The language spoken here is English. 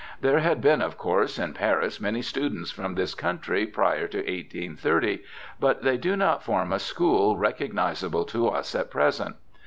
There had been, of course, in Paris, many students from this country prior to 1830, but they do not form a school recognizable to us at present.